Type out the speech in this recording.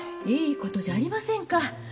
いい事じゃありませんか。